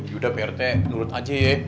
yaudah pak retek nurut aja ya